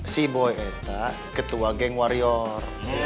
si boy eta ketua geng warior